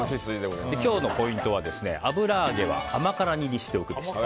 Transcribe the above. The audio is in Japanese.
今日のポイントは油揚げは甘辛煮にしておくべし。